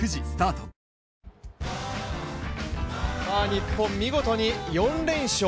日本見事に４連勝。